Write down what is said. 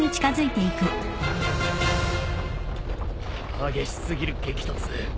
激しすぎる激突。